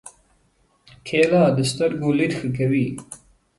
کېله د سترګو لید ښه کوي.